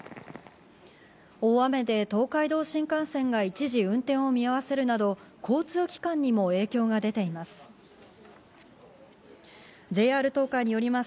大雨で東海道新幹線が一時運転を見合わせるなど交通機関にも影響が出ています。